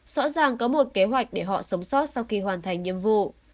rõ ràng có một kế hoạch để họ sống sót sau khi hoàn thành nhiệm vụ